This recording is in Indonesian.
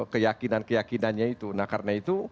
keyakinan keyakinannya itu nah karena itu